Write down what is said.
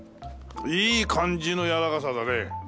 いい感じのやわらかさだね。